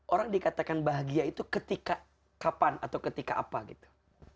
orang dikatakan bahagia itu ketika kapan atau ketika apa gitu